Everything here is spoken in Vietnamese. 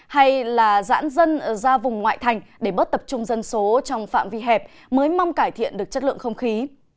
hay là giãn dân ra vùng ngoại thành để bớt tập trung dân số trong phạm vi hẹp mới mong cải thiện được chất lượng không khí